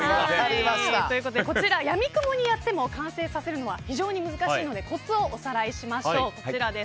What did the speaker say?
やみくもにやっても完成させるのは非常に難しいのでコツをおさらいしましょう。